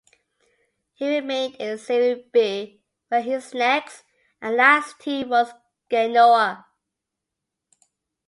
He remained in Serie B, where his next and last team was Genoa.